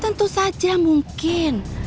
tentu saja mungkin